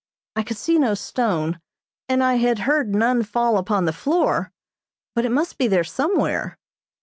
I could see no stone, and I had heard none fall upon the floor, but it must be there somewhere.